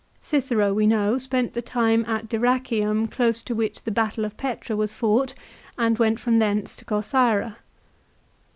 Cicero, we know, spent the time at Dyrrachium close to B c 48 which the battle of Petra was fought, and went from setat. 59. tj ience to Corcyra.